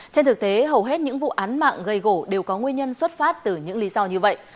trên thực tế hầu hết những vụ án mạng gây gỗ đều có nguyên nhân xuất phát từ những lý do như vậy